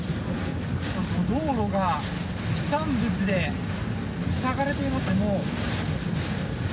道路が飛散物で塞がれていますね。